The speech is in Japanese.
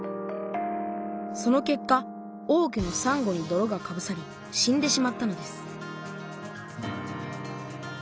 その結果多くのさんごにどろがかぶさり死んでしまったのです